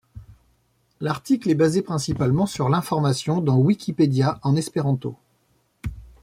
L'article est basé principalement sur l'information dans Wikipédia en espéranto.